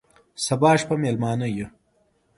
سبا شپه مېلمانه یو،